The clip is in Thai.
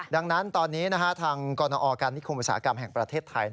ดังนั้นตอนนี้ทางกรณอการนิคมอุตสาหกรรมแห่งประเทศไทย